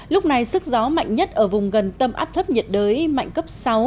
lúc này sức gió mạnh nhất ở vùng gần tâm áp thấp nhiệt đới mạnh cấp sáu